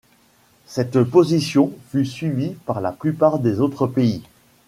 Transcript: Cette position fut suivie par la plupart des autres pays.